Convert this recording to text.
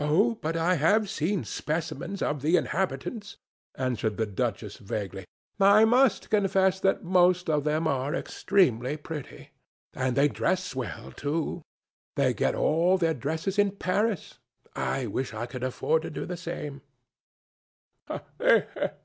"Oh! but I have seen specimens of the inhabitants," answered the duchess vaguely. "I must confess that most of them are extremely pretty. And they dress well, too. They get all their dresses in Paris. I wish I could afford to do the same."